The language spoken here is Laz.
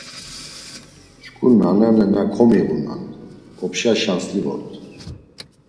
Şǩu nananena komiğunan, opşa şansli vort.